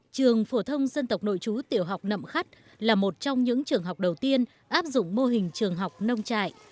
trường phổ thông dân tộc nội chú tiểu học nậm khắt là một trong những trường học đầu tiên áp dụng mô hình trường học nông trại